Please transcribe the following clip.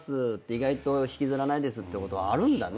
意外と引きずらないですってことあるんだね。